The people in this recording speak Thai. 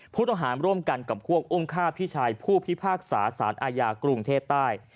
ผู้ต้องหาร่วมกันกับพวกอุ้มฆ่าพี่ชายผู้พิพากษาสารอาญากรุงเทพใต้